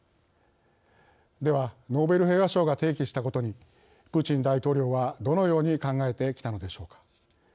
では、ノーベル平和賞が提起したことにプーチン大統領はどのように考えてきたのでしょうか。